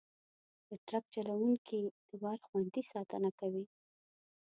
د ټرک چلوونکي د بار خوندي ساتنه کوي.